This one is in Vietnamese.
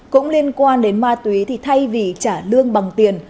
cũng liên quan đến ma túy thì thay vì trả lương bằng tiền